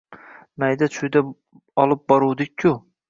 Mayda-chuyda olib boruvdik-ku!